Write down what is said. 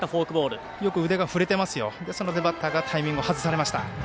ですのでバッターがタイミングを外されました。